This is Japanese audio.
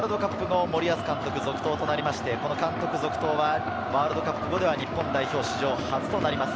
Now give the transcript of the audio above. ワールドカップの森保監督、続投となって監督続投はワールドカップ後では日本代表史上初となります。